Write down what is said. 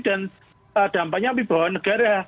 dan dampaknya wibawa negara